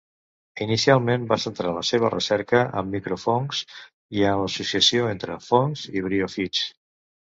Inicialment va centrar la seva recerca en microfongs i en l'associació entre fongs i briòfits.